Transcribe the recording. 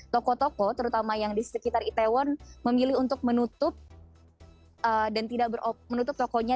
tokoh tokoh terutama yang di sekitar itaewon memilih untuk menutup tokonya